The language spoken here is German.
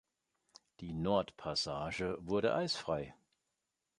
Die Nord-Passage wurde eisfrei.